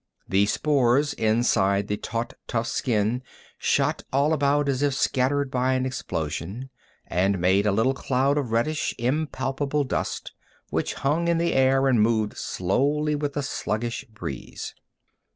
The spores inside the taut, tough skin shot all about as if scattered by an explosion, and made a little cloud of reddish, impalpable dust, which hung in the air and moved slowly with the sluggish breeze.